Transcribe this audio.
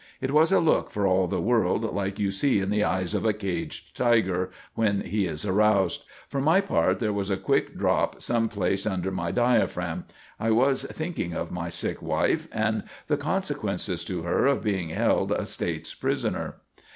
It was a look for all the world like you see in the eyes of a caged tiger when he is aroused. For my part, there was a quick drop some place under my diaphragm. I was thinking of my sick wife, and the consequences to her of being held a State's prisoner.